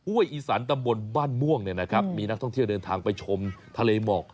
อุ้ยอีสันตำบลบ้านม่วงมีนักท่องเที่ยวเดินทางไปชมทะเลหมอก